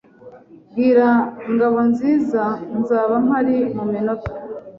Bwira Ngabonziza nzaba mpari muminota.